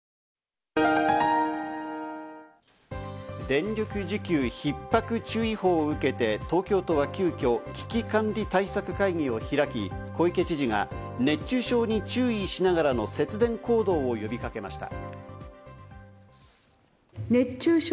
電力需給ひっ迫注意報を受けて、東京都は急きょ危機管理対策会議を開き、小池知事が熱中症に注意しながらの節電行動を呼びかけました。